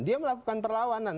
dia melakukan perlawanan